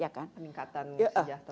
ya kan peningkatan sejahtera